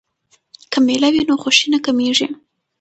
که میله وي نو خوښي نه کمېږي.